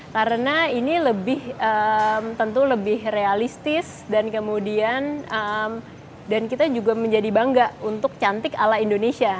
karena ini lebih tentu lebih realistis dan kemudian dan kita juga menjadi bangga untuk cantik ala indonesia